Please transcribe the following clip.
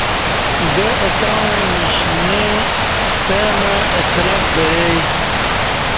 گہ اہ تاؤں نیشنے ستمع اڅہ لک درے